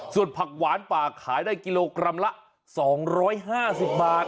ส่วนผักหวานป่าขายได้กิโลกรัมละ๒๕๐บาท